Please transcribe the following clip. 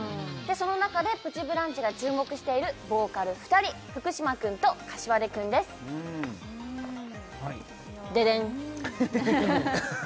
その中で「プチブランチ」が注目しているボーカル２人福嶌君と膳君ですででんっアハハハッ